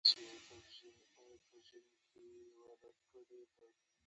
د ښاپیرۍ غیږ کې بیده، د یوه ستوری خیال